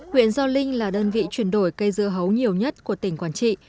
huyện gio linh là đơn vị chuyển đổi cây dưa hấu nhiều nhất của tỉnh quảng trị